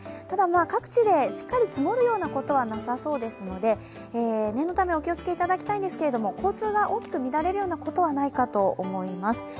ただ各地でしっかり積もるようなことはなさそうですので念のためお気を付けいただきたいんですけれども、交通が大きく乱れるようなことはないかと思います。